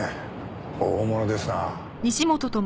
大物ですなあ。